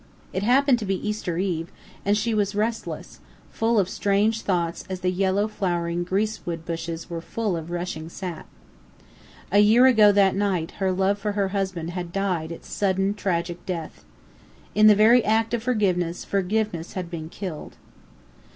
It happened to be Easter eve, and she was restless, full of strange thoughts as the yellow flowering grease wood bushes were full of rushing sap. A year ago that night her love for her husband had died its sudden, tragic death. In the very act of forgiveness, forgiveness had been killed.